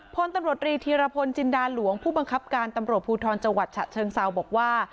พลตำรวจรีธีรพลจินดาหลวงผู้บังคับการตำรวจภูทรจังหวัดฉะเชิงเซาบอกว่า